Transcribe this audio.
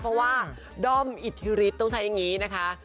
เพราะว่าด้อมอิทธิฤทธิต้องใช้อย่างนี้นะคะ